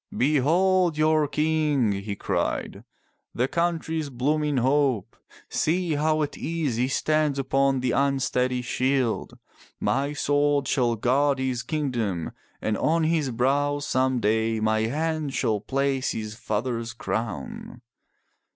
"Behold your King!" he cried, "the country's blooming hope! See how at ease he stands upon the unsteady shield. My sword shall guard his kingdom, and on his brow some day my hand shall place his father's crown."